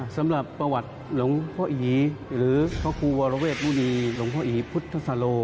สำหรับประวัติหลวงพ่ออียหรือพระครูวรเวทมุณีหลวงพ่ออีพุทธสโล